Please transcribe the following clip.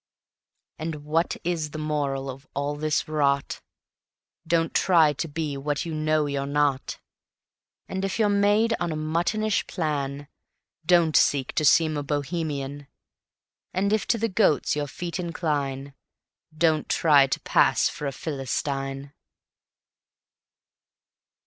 And what is the moral of all this rot? Don't try to be what you know you're not. And if you're made on a muttonish plan, Don't seek to seem a Bohemian; And if to the goats your feet incline, Don't try to pass for a Philistine.